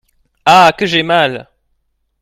Ah ! que j’ai mal !